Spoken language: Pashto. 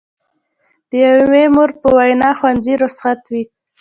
د یوې مور په وینا ښوونځي رخصت وي.